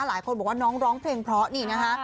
หลายคนบอกว่าน้องร้องเพลงเพราะนี่นะคะ